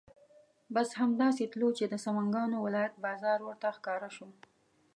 بس همدا سې تلو چې د سمنګانو ولایت بازار ورته ښکاره شو.